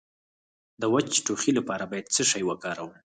د وچ ټوخي لپاره باید څه شی وکاروم؟